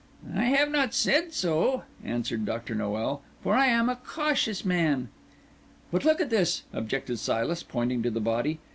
"I have not said so," answered Dr. Noel "for I am a cautious man." "But look at this!" objected Silas, pointing to the body.